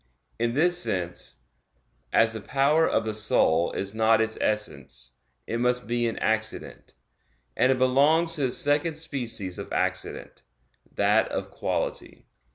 In this sense, as the power of the soul is not its essence, it must be an accident; and it belongs to the second species of accident, that of quality.